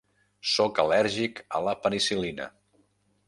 Sóc al·lèrgic a la penicil·lina.